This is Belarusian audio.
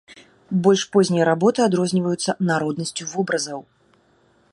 Больш познія работы адрозніваюцца народнасцю вобразаў.